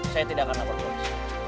saya tidak akan lapor polisi